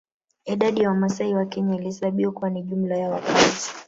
Idadi ya Wamasai wa Kenya ilihesabiwa kuwa ni jumla ya wakazi